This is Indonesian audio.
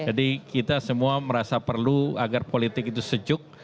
jadi kita semua merasa perlu agar politik itu sejuk